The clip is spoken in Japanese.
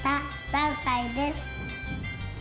３さいです。